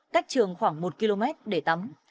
cách trường khoảng một km để tắm